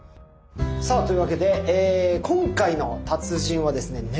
さあというわけで今回の達人はですね